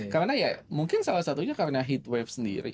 karena ya mungkin salah satunya karena heatwave sendiri